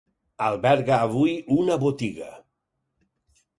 Alberga avui una botiga.